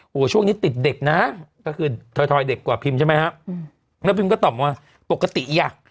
โอ้โหช่วงนี้ติดเด็กนะก็คือถอยเด็กกว่าพิมใช่ไหมฮะแล้วพิมก็ตอบว่าปกติอยาก